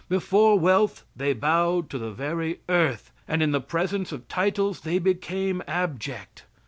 Before wealth they bowed to the very earth, and in the presence of titles they became abject.